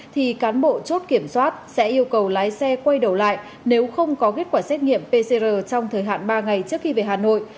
thì cán bộ chốt kiểm soát sẽ yêu cầu lái xe quay đầu lại nếu không có kết quả xét nghiệm pcr trong thời hạn ba ngày trước khi về hà nội